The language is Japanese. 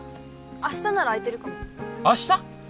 明日なら空いてるかも明日！？